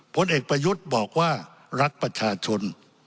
ผลเอกประยุทธ์บอกว่ารักประชาชน